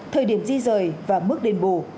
thời điểm di rời và mức đền bù